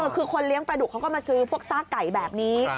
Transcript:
คือคนเลี้ยงปลาดุกเขาก็มาซื้อพวกซากไก่แบบนี้